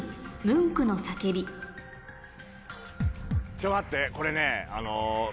ちょっと待ってこれね。